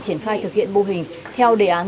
triển khai thực hiện mô hình theo đề án